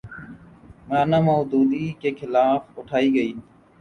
مو لانا مودودی کے خلاف اٹھائی گی۔